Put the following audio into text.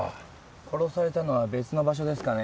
殺されたのは別の場所ですかね。